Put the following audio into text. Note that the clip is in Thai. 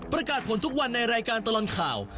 ประกาศผลทุกวันในรายการตลอดข่าว